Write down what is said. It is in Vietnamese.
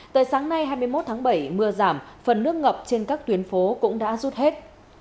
tới sáng nay hai mươi một tháng bảy mưa giảm phần nước ngập trên các tuyến phố cũng đã rút hết